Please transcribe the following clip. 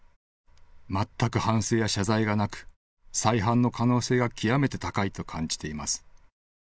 全く反省や謝罪がなく再犯の可能性が極めて高いと感じています。